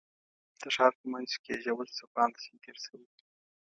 د ښار په منځ کې یې ژور څپاند سیند تېر شوی.